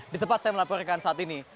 di tempat saya melaporkan saat ini